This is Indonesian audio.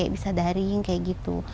bisa daring kayak gitu